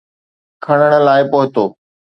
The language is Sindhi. کڻڻ لاءِ پهتو.